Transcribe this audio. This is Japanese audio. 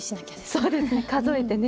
そうですね数えてね。